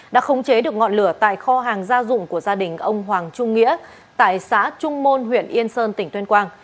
đã khống chế được ngọn lửa tại kho hàng gia dụng của gia đình ông hoàng trung nghĩa tại xã trung môn huyện yên sơn tỉnh tuyên quang